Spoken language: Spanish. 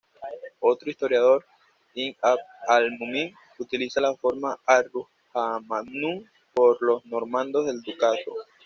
Otro historiador, Ibn Abd-al-Mumin utiliza la forma "ar-Rudhamanun" por los normandos del ducado.